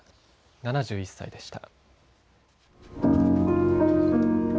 ７１歳でした。